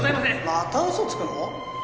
また嘘つくの？